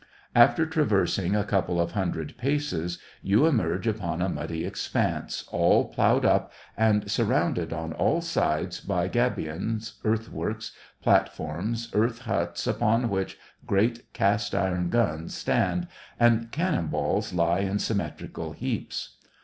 After traversing a couple of hundred paces, you emerge upon a muddy expanse, all ploughed up, and sur rounded on all sides by gabions, earthworks, plat forms, earth huts, upon which great cast iron guns stand, and cannon balls lie in symmetrical heaps.